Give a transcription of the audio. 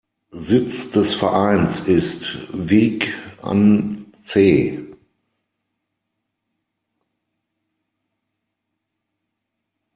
Sitz des Vereins ist Wijk aan Zee.